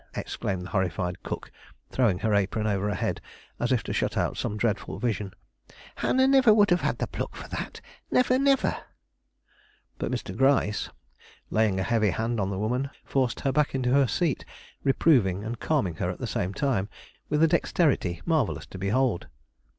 exclaimed the horrified cook, throwing her apron over her head as if to shut out some dreadful vision. "Hannah niver would have the pluck for that; niver, niver!" But Mr. Gryce, laying a heavy hand on the woman, forced her back into her seat, reproving and calming her at the same time, with a dexterity marvellous to behold.